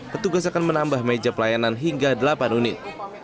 petugas akan menambah meja pelayanan hingga delapan unit